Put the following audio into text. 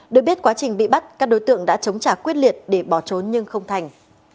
được biết quá trình bị bắt các đối tượng đã chống trả quyết liệt để bỏ trốn nhưng không thành